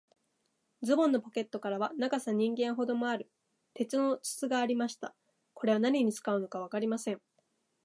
ズボンのポケットからは、長さ人間ほどもある、鉄の筒がありました。これは何に使うのかわかりません。